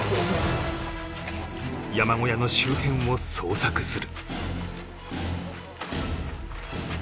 山小屋の周辺を捜索する